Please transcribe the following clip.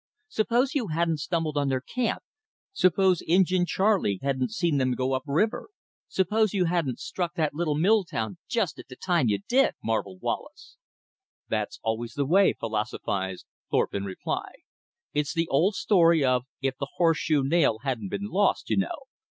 "Suppose you hadn't stumbled on their camp; suppose Injin Charley hadn't seen them go up river; suppose you hadn't struck that little mill town JUST at the time you did!" marvelled Wallace. "That's always the way," philosophized Thorpe in reply. "It's the old story of 'if the horse shoe nail hadn't been lost,' you know.